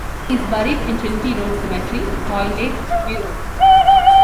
He is buried in Trinity Road Cemetery, Hoylake, Wirral.